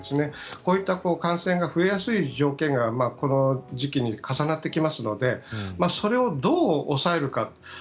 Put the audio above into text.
こういった感染が増えやすい条件がこの時期に重なってきますのでそれをどう抑えるか。